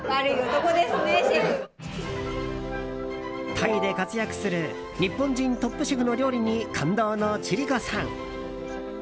タイで活躍する日本人トップシェフの料理に感動の千里子さん。